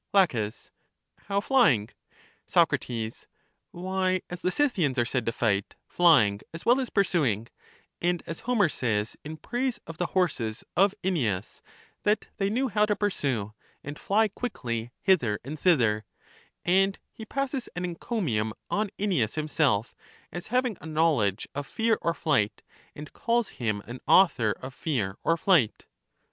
La, How flying? Soc. Why, as the Scythians are said to fight, flying as well as pursuing; and as Homer says in praise of the horses of Aeneas, that they knew how to pursue, and fly quickly hither and thither; and he passes an encomium on Aeneas himself, as having a knowledge 104 LACHES of fear or flight, and calls him an author of fear or flight.